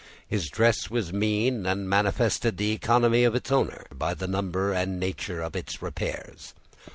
His dress was mean, and manifested the economy of its owner, by the number and nature of its repairs.